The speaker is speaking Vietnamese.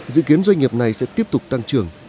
dự kiến doanh nghiệp này sẽ tiếp tục tăng trưởng